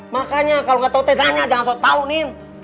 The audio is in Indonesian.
makanya kalau gak tau teh nanya jangan sok tau nin